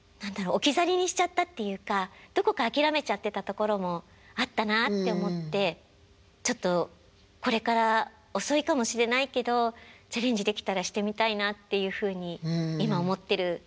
置き去りにしちゃったっていうかどこか諦めちゃってたところもあったなあって思ってちょっとこれから遅いかもしれないけどチャレンジできたらしてみたいなっていうふうに今思ってるところ。